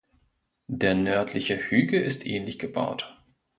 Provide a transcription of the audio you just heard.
Der nördliche Hügel ist ähnlich gebaut.